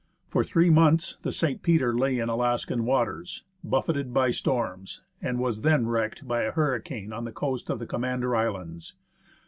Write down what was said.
For three months the S^. Peter lay in Alaskan waters, buffeted by storms, and was then wrecked by a hurricane on the coast of the Commander Islands.